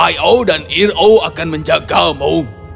io dan iro akan menjagamu